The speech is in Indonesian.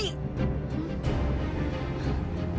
iya aku juga